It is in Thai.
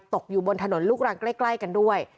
ตกอยู่บนถนนลูกรังใกล้กันด้วย